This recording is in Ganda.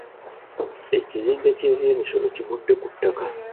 Ekizimbe ky’ebyemisono kigudde ku ttaka.